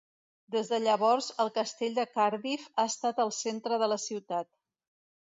Des de llavors, el castell de Cardiff ha estat al centre de la ciutat.